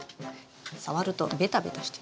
触るとベタベタしてます。